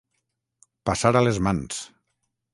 Passar a les mans.